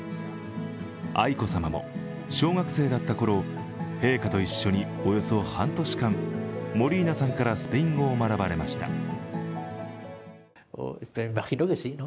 愛子さまも小学生だったころ陛下と一緒におよそ半年間モリーナさんからスペイン語を学ばれました。